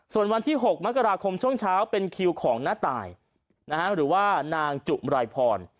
ส่วนวันที่๖มกราคมช่วงเช้าเป็นคิวของน้าตายหรือว่านางจุมรายพร